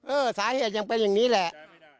สาเหตุยังเป็นอย่างนี้แหละ